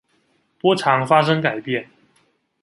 波長發生改變